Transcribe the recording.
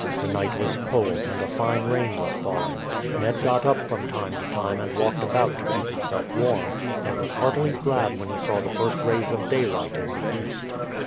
The night was cold, and a fine rain was falling. Ned got up from time to time and walked about to keep himself warm, and was heartily glad when he saw the first rays of daylight in the east.